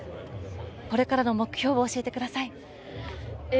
これからの目標を教えてください。